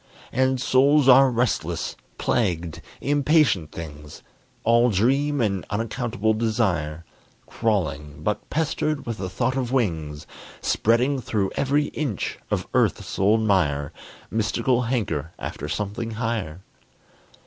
And souls are restless, plagued, impatient things, All dream and unaccountable desire; Crawling, but pestered with the thought of wings; Spreading through every inch of earth's old mire, Mystical hanker after something higher.